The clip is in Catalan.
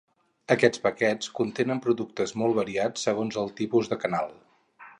Aquests paquets contenen productes molt variats segons el tipus de canal.